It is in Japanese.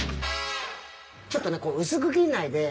ちょっとねうすく切んないで。